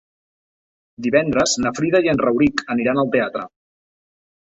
Divendres na Frida i en Rauric aniran al teatre.